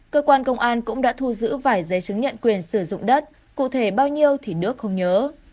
cơ quan công an cũng đã thu giữ vài giấy chứng nhận quyền sử dụng đất cụ thể bao nhiêu thì nước không nhớ